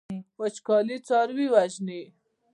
وچکالي څاروي وژني.